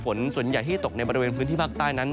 ฝนส่วนใหญ่ที่ตกในบริเวณพื้นที่ภาคใต้นั้น